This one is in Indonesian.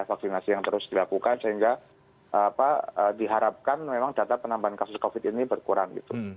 vaksinasi yang terus dilakukan sehingga diharapkan memang data penambahan kasus covid ini berkurang gitu